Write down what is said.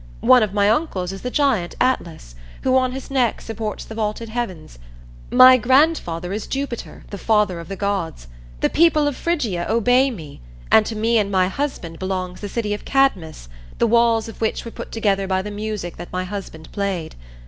One of my uncles is the giant Atlas, who on his neck supports the vaulted heavens; my grandfather is Jupiter, the father of the gods. The people of Phrygia obey me, and to me and my husband belongs the city of Cadmus, the walls of which were put together by the music that my husband played.